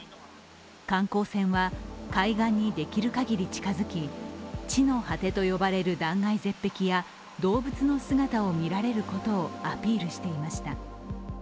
観光船は海岸にできるかぎり近づき地の果てと呼ばれる断崖絶壁や動物の姿を見られることをアピールしていました。